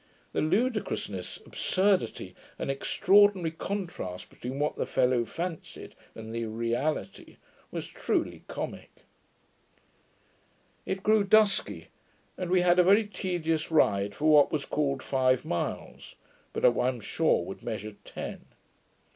The ludicrousness, absurdity, and extraordinary contrast between what the fellow fancied, and the reality, was truly comick. It grew dusky; and we had a very tedious ride for what was called five miles; but I am sure would measure ten.